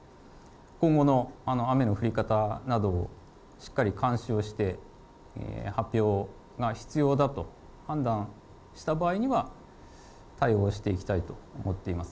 今後の雨の降り方などをしっかり監視をして、発表が必要だと判断した場合には、対応していきたいと思っています。